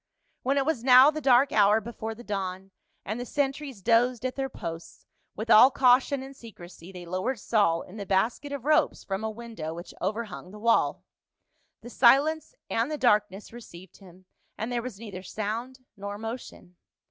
When it was now the dark hour before the dawn, and the sentries dozed at their posts, with all caution and secrecy they lowered Saul in the basket of ropes from a window which overhung the wall. The silence and the darkness received him, and there was neither sound nor motion.